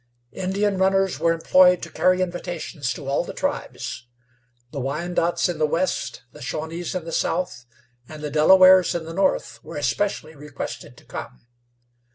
Indian runners were employed to carry invitations to all the tribes. The Wyandots in the west, the Shawnees in the south, and the Delawares in the north were especially requested to come.